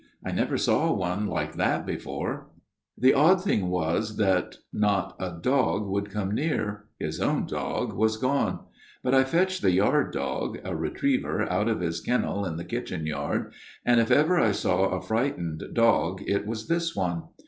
I never saw one like that before !'" The odd thing was that not a dog would come near, his own dog was gone ; but I fetched the yard dog a retriever, out of his kennel in the kitchen yard ; and if ever I saw a frightened dog it was this one.